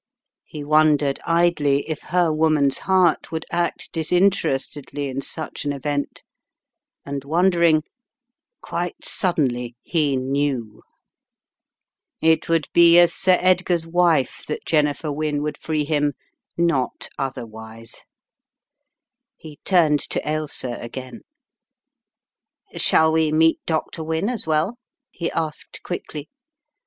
He wondered idly if her woman's heart would act disinterestedly in such an event and wondering, quite suddenly he knew. It The Plot Thickens 173 would be as Sir Edgar's wife that Jennifer Wynne would free him— not otherwise. He turned to Ailsa again. "Shall we meet Dr. Wynne as well?" he asked quickly.